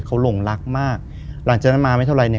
คือก่อนอื่นพี่แจ็คผมได้ตั้งชื่อเอาไว้ชื่อเอาไว้ชื่อ